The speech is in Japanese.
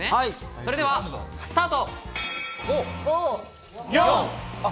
それではスタート！